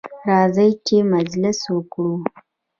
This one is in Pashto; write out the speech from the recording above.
راځئ چې مجلس وکړو.